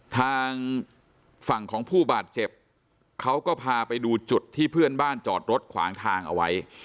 ทางฝั่งของผู้บาดเจ็บเขาก็พาไปดูจุดที่เพื่อนบ้านจอดรถขวางทางเอาไว้